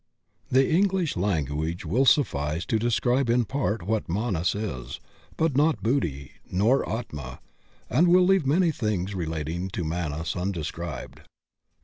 The English language will suflSce to describe in part what Manas is, but not Buddhi, nor Atma and will leave many things relating to Manas undescribed.